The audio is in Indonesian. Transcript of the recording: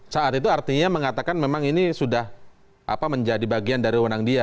saat itu artinya mengatakan memang ini sudah menjadi bagian dari wenang dia